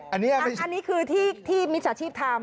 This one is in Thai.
อันนี้คือที่มิจฉาชีพทำ